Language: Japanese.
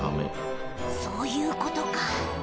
そういうことか。